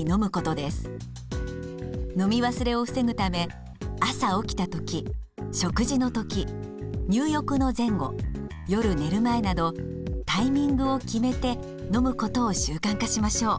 飲み忘れを防ぐため朝起きた時食事の時入浴の前後夜寝る前などタイミングを決めて飲むことを習慣化しましょう。